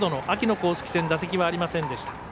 秋の公式戦打席はありませんでした。